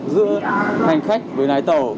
giữa hành khách với lái tàu